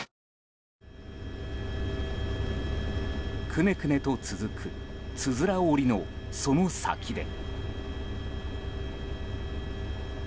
くねくねと続くつづら折りのその先で。